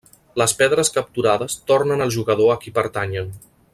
Les pedres capturades tornen al jugador a qui pertanyen.